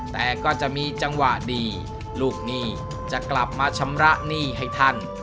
แต่ก็จะมีจังหวะดีลูกหนี้จะกลับมาชำระหนี้ให้ท่าน